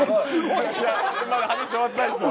いやまだ話終わってないっすよ。